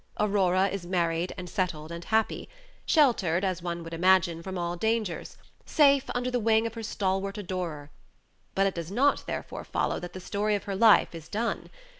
Aurora is married, and settled, and happy; sheltered, as one would imagine, from all dangers, safe under the wing of her stalwart adorer; but it does not therefore follow that the story of her life is done.